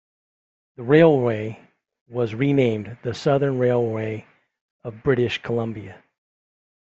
The railway was renamed the Southern Railway of British Columbia.